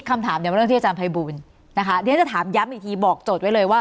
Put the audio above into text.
คำถามเนี่ยเป็นเรื่องที่อาจารย์ภัยบูลนะคะเดี๋ยวจะถามย้ำอีกทีบอกโจทย์ไว้เลยว่า